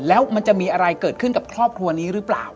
แล้วมันจะมีอะไรเกิดขึ้นกับครอบครัวนี้หรือเปล่า